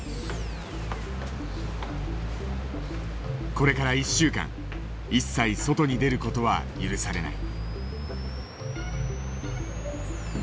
これから１週間一切外に出る事は許されない。